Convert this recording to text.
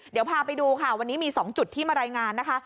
เดี๋ยวพาไปดูค่ะวันนี้มี๒จุดที่มารายงานนะคะ